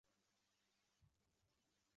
车站排队排了一票人